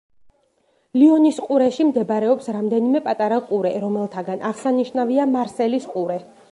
ლიონის ყურეში მდებარეობს რამდენიმე პატარა ყურე, რომელთაგან აღსანიშნავია მარსელის ყურე.